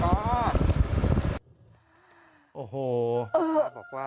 โอ้โห